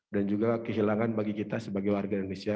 dan juga kehilangan bagi kita sebagai warga indonesia